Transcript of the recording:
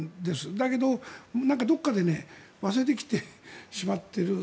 だけど、どこかで忘れてきてしまっている。